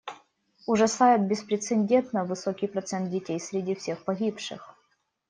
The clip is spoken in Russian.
Ужасает беспрецедентно высокий процент детей среди всех погибших.